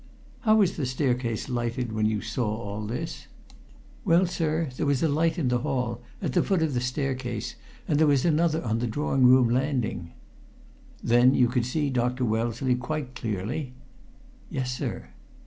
"How was the staircase lighted when you saw all this?" "Well, sir, there was a light in the hall, at the foot of the staircase, and there was another on the drawing room floor landing." "Then you could see Dr. Wellesley quite clearly?" "Yes, sir."